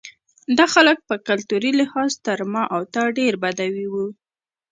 دا خلک په کلتوري لحاظ تر ما او تا ډېر بدوي وو.